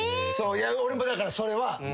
俺もだからそれは。